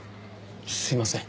すいません。